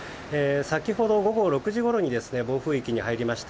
先ほど、午後６時ごろに暴風域に入りました。